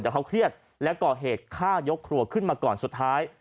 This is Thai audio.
แต่เขาเครียดและก่อเหตุฆ่ายกครัวขึ้นมาก่อนสุดท้าย